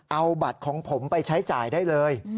เอาบัตรของผมไปใช้จ่ายได้เลย